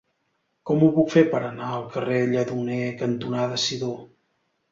Com ho puc fer per anar al carrer Lledoner cantonada Sidó?